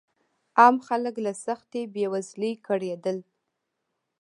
عام خلک له سختې بېوزلۍ کړېدل.